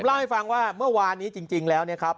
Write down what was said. เล่าให้ฟังว่าเมื่อวานนี้จริงแล้วเนี่ยครับ